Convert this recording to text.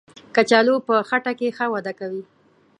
کچالو په خټه کې ښه وده کوي